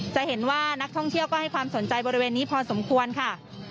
จะเห็นว่านักท่องเที่ยวก็ให้ความสนใจบริเวณนี้พอสมควรค่ะ